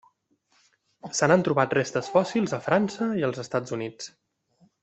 Se n'han trobat restes fòssils a França i els Estats Units.